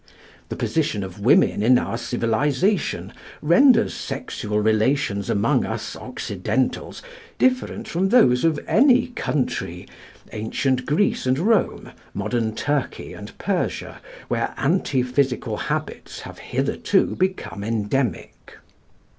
The position of women in our civilisation renders sexual relations among us occidentals different from those of any country ancient Greece and Rome, modern Turkey and Persia where antiphysical habits have hitherto become endemic.